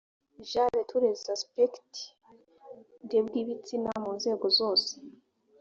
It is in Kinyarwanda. genre tous les aspects de bw ibitsina mu nzego zose